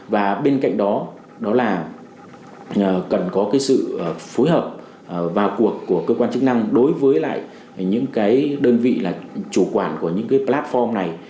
và bên cạnh đó là cần có cái sự phối hợp vào cuộc của cơ quan chức năng đối với lại những cái đơn vị là chủ quản của những cái platform này